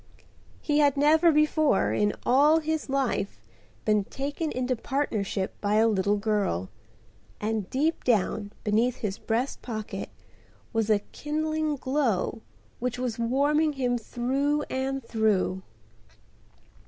He had never before in all his life been taken into partnership by a little girl, and deep down beneath his breast pocket was a kindling glow which was warming him through and through.